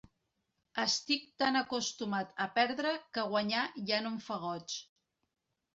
Estic tan acostumat a perdre que guanyar ja no em fa goig.